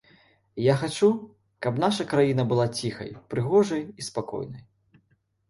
Я хачу, каб наша краіна была ціхай, прыгожай і спакойнай.